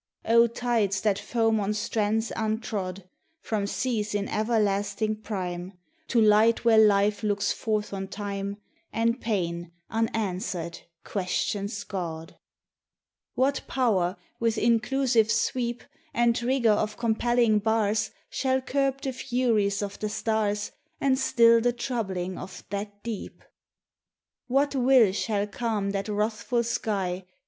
O Tides that foam on strands untrod, From seas in everlasting prime, To light where Life looks forth on Time, And Pain, unanswered, questions God! 54 THE TESTIMONY OF THE SUNS. What Power, with inclusive sweep And rigor of compelling bars, Shall curb the furies of the stars, And still the troubling of that Deep? What will shall calm that wrathful sky?